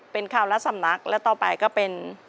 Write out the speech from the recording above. เป็นข่าวละสำนักและต่อไปก็เป็น